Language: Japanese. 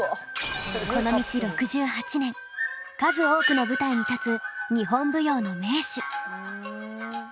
この道６８年数多くの舞台に立つ日本舞踊の名手。